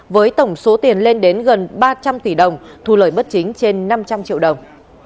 với tổng số tiền lên đến gần ba trăm linh tỷ đồng thu lời bất chính trên năm trăm linh triệu đồng